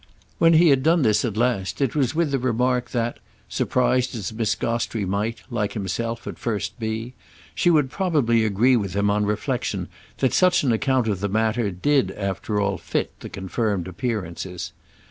When he had done this at last it was with the remark that, surprised as Miss Gostrey might, like himself, at first be, she would probably agree with him on reflexion that such an account of the matter did after all fit the confirmed appearances.